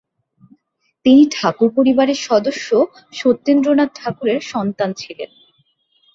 তিনি ঠাকুর পরিবারের সদস্য সত্যেন্দ্রনাথ ঠাকুরের সন্তান ছিলেন।